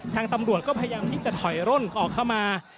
ทางตำรวจก็พยายามที่จะถอยร่นออกเข้ามา